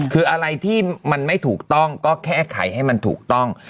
คืออะไรที่มันไม่ถูกต้องก็แค่ไขให้มันถูกต้อง